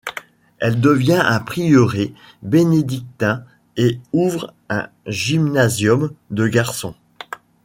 Elle devient un prieuré bénédictin et ouvre un Gymnasium de garçons.